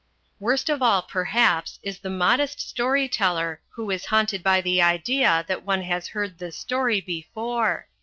Worst of all perhaps is the modest story teller who is haunted by the idea that one has heard this story before.